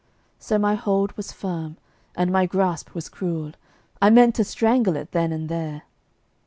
So my hold was firm, and my grasp was cruel I meant to strangle it then and there!